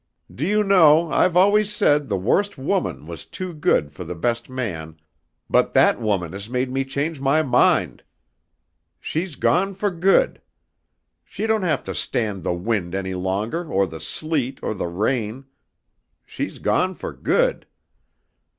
Do you know I've always said the worst woman was too good for the best man, but that woman has made me change my mind. She's gone for good. She don't have to stand the wind any longer or the sleet or the rain. She's gone for good.